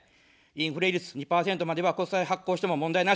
インフレ率２％までは国債発行しても問題なし。